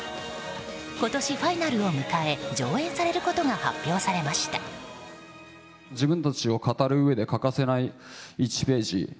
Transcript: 今年、ファイナルを迎え上演されることが発表されました。